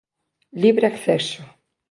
Libre acceso.